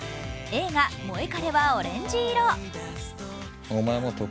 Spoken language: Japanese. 映画「モエカレはオレンジ色」。